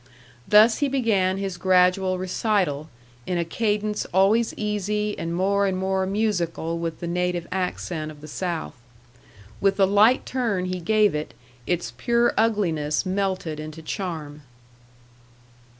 Thus he began his gradual recital, in a cadence always easy, and more and more musical with the native accent of the South. With the light turn he gave it, its pure ugliness melted into charm.